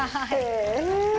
へえ。